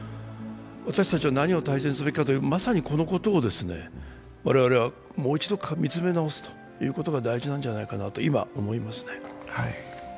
私たちは何を大切にすべきか、まさにこのことを我々は見つめ直すことが大事じゃないかと今思いますね。